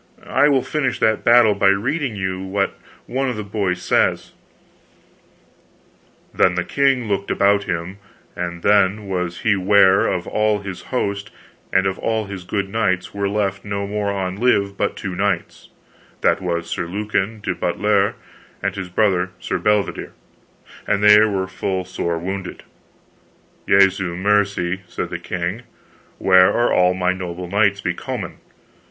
I will finish that battle by reading you what one of the boys says: Then the king looked about him, and then was he ware of all his host and of all his good knights were left no more on live but two knights, that was Sir Lucan de Butlere, and his brother Sir Bedivere: and they were full sore wounded. Jesu mercy, said the king, where are all my noble knights becomen?